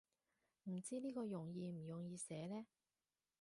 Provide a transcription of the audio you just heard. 唔知呢個容易唔容易寫呢